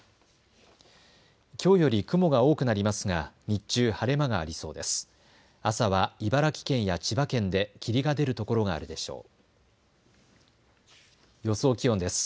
きょうより雲が多くなりますが日中、晴れ間がありそうです。